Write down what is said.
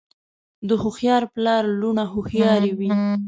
د هوښیار پلار لوڼه هوښیارې وي.